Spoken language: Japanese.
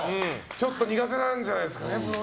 ちょっと苦手なんじゃないですかね。